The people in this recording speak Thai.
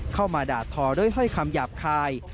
เข้ามาด่าทอด้วยถ้อยคำหยาบคาย